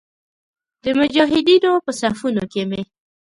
د مجاهدینو په صفونو کې مې.